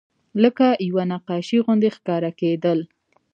لکه یوه نقاشي غوندې ښکاره کېدل.